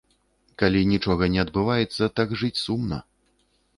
Калі нічога не адбываецца, так жыць сумна.